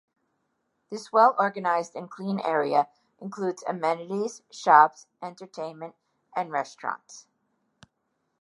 This well organized and clean area includes amenities, shops, entertainment and restaurants.